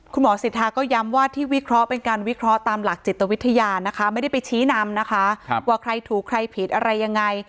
สิทธาก็ย้ำว่าที่วิเคราะห์เป็นการวิเคราะห์ตามหลักจิตวิทยานะคะไม่ได้ไปชี้นำนะคะว่าใครถูกใครผิดอะไรยังไง